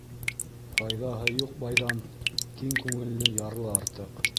Файҙаһы юҡ байҙан киң күңелле ярлы артыҡ.